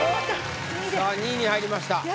さあ２位に入りました。